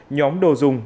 nhóm đồ dùng